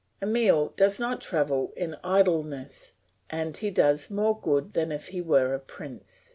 Emile does not travel in idleness and he does more good than if he were a prince.